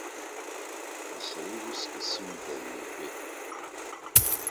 Аха уи усгьы символла иҳәеит.